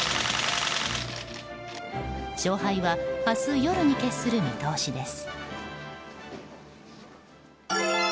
勝敗は明日夜に決する見込みです。